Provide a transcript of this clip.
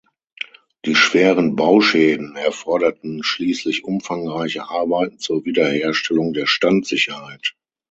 Die schweren Bauschäden erforderten schließlich umfangreiche Arbeiten zur Wiederherstellung der Standsicherheit.